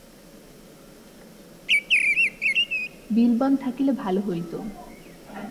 বিল্বন থাকিলে ভালো হইত।